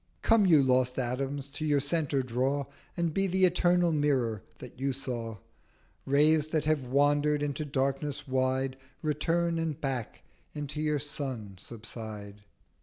Come you lost Atoms to your Centre draw, And be the Eternal Mirror that you saw: Rays that have wander'd into Darkness wide Return, and back into your Sun subside.'